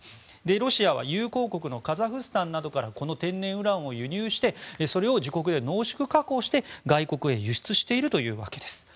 ロシアは友好国のカザフスタンなどから天然ウランを輸入して、自国で濃縮加工して外国へ輸出しているというわけです。